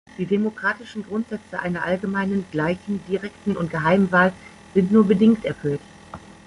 Die demokratischen Grundsätze einer allgemeinen, gleichen, direkten und geheimen Wahl sind nur bedingt erfüllt.